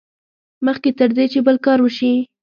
مخکې تر دې چې بل کار وشي.